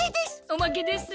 おまけです。